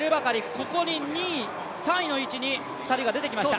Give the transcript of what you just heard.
ここに２位、３位の位置に２人が出てきました。